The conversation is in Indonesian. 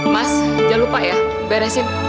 mas jangan lupa ya beresin